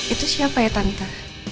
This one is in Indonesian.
itu siapa ya tante